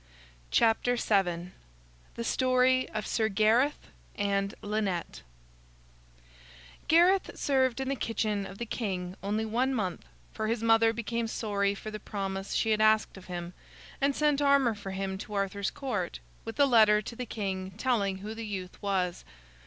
THE STORY OF SIR GARETH & LYNETTE Gareth served in the kitchen of the king only one month, for his mother became sorry for the promise she had asked of him, and sent armor for him to Arthur's Court, with a letter to the king telling who the youth was.